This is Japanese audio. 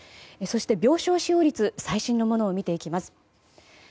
そして、病床使用率最新のものを見ていきます。